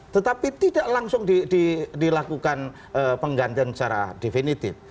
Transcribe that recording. tetapi tidak langsung dilakukan penggantian secara definitif